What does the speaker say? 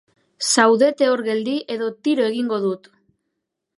Zaudete hor geldi edo tiro egingo dut!